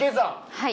はい。